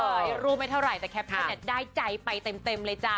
เออรู้ไม่เท่าไหร่แต่แคปชั่นเนี่ยได้ใจไปเต็มเลยจ้า